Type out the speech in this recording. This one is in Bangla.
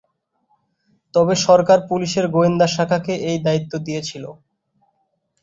তবে সরকার পুলিশের গোয়েন্দা শাখাকে এই দায়িত্ব দিয়েছিল।